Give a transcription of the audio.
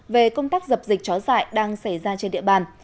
về công tác dập dịch chó dại đang xảy ra trên địa bàn